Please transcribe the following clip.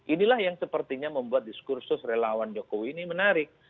inilah yang sepertinya membuat diskursus relawan jokowi ini menarik